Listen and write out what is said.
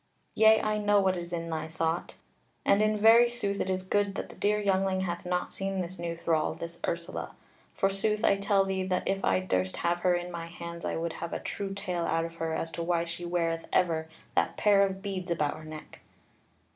Yea, I know what is in thy thought; and in very sooth it is good that the dear youngling hath not seen this new thrall, this Ursula. Forsooth, I tell thee that if I durst have her in my hands I would have a true tale out of her as to why she weareth ever that pair of beads about her neck."